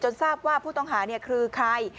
ทราบว่าผู้ต้องหาคือใคร